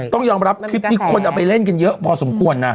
ต้องยอมรับคลิปนี้คนเอาไปเล่นกันอย่างเยอะน่ะ